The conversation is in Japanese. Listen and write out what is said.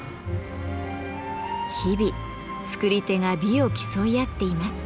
日々作り手が美を競い合っています。